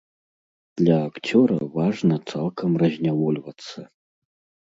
Для акцёра важна цалкам разнявольвацца.